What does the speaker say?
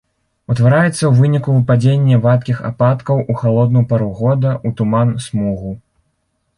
Утвараецца ў выніку выпадзення вадкіх ападкаў у халодную пару года, у туман, смугу.